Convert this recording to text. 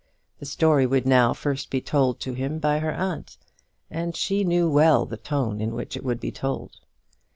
The story would now first be told to him by her aunt, and she knew well the tone in which it would be told.